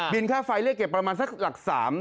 ค่าไฟเรียกเก็บประมาณสักหลัก๓